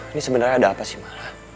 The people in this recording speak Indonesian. ini sebenarnya ada apa sih mak